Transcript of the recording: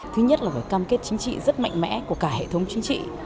thứ nhất là phải cam kết chính trị rất mạnh mẽ của cả hệ thống chính trị